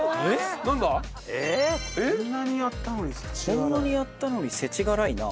「こんなにやったのに世知辛いな」？